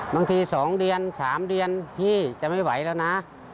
บางทีสองเรียนสามเรียนพี่จะไม่ไหวแล้วนะ